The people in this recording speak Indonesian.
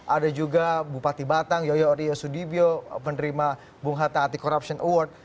ada juga bupati batang yoyo orio sudibyo penerima bung hatta anti corruption award